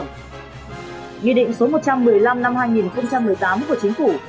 nghị định số một trăm một mươi năm năm hai nghìn một mươi tám của chính phủ